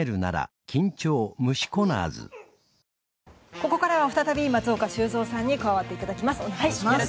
ここからは再び松岡修造さんに加わっていただきます。